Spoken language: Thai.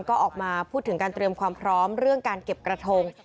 ก็ออกมาพูดถึงการเตรียมความพร้อมเรื่องการเก็บกระทง